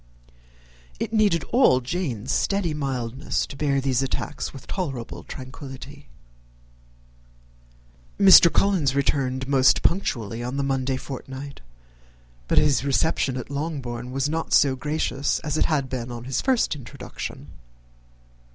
It needed all Jane's steady mildness to bear these attacks with tolerable tranquillity. Mr. Collins returned most punctually on the Monday fortnight, but his reception at Longbourn was not quite so gracious as it had been on his first introduction.